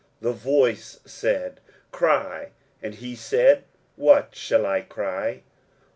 23:040:006 The voice said, Cry. And he said, What shall I cry?